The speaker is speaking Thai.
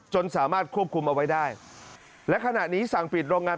สามารถควบคุมเอาไว้ได้และขณะนี้สั่งปิดโรงงาน